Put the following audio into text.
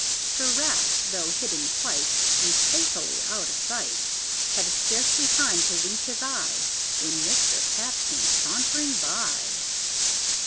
Sir Rat, though hidden quite, And safely out of sight, Had scarcely time to wink his eye, When Mr. Cat came sauntering by.